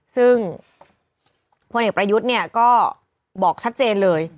ซึ่งพลเอกประยุทธ์เนี่ยก็บอกชัดเจนเลย